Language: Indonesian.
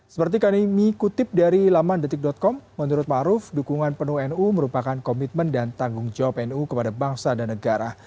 seperti kami kutip dari laman detik com menurut ma'ruf dukungan penuh nu merupakan komitmen dan tanggung jawab nu kepada bangsa dan negara